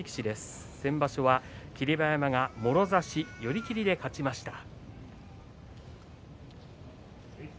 先場所は霧馬山がもろ差し寄り切りで勝ちました。